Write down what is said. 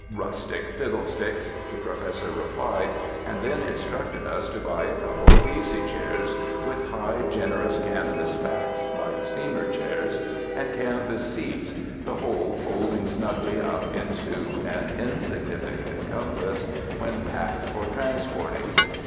"Rustic fiddlesticks," the Professor replied, and then instructed us to buy a couple of easy chairs with high, generous, canvas backs like steamer chairs, and canvas seats, the whole folding snugly up into an insignificant compass when packed for 55 UNDER THE SKY IN CALIFORNIA transporting.